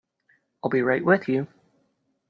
I'll be right with you.